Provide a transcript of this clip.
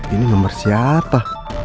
ini nomer siapa